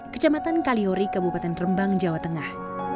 kecamatan kaliori kabupaten rembang jawa tengah